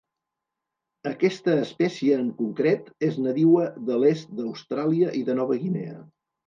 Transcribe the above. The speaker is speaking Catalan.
Aquesta espècie en concret és nadiua de l'est d'Austràlia i de Nova Guinea.